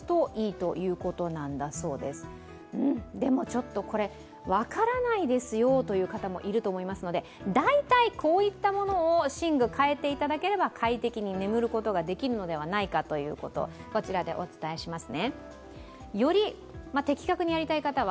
ちょっと分からないですよという方もいると思いますので大体こういったものを寝具、変えていただければ快適に眠ることができるのではないかということをお伝えします。